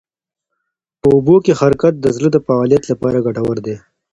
په اوبو کې حرکت د زړه د فعالیت لپاره ګټور دی.